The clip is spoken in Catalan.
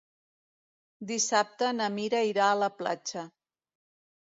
Dissabte na Mira irà a la platja.